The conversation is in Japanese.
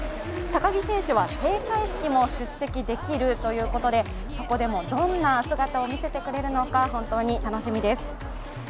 高木選手は閉会式も出席できるということでそこでもどんな姿を見せてくれるのか、本当に楽しみです。